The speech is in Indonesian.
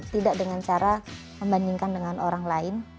tidak dengan cara membandingkan dengan orang lain